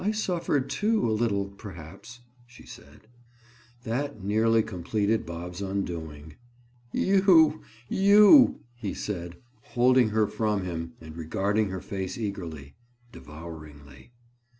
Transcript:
"I suffered, too, a little, perhaps," she said. That nearly completed Bob's undoing. "You! you!" he said, holding her from him and regarding her face eagerly, devouringly.